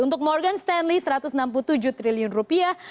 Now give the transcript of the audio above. untuk morgan stanley satu ratus enam puluh tujuh triliun rupiah